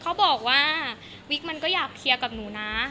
เขาบอกว่าวิกมันก็อยากเคลียร์กับหนูนะ